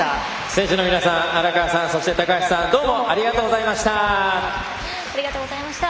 選手の皆さん、荒川さんそして、高橋さんどうもありがとうございました。